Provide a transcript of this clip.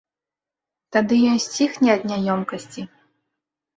Тады ён сціхне ад няёмкасці.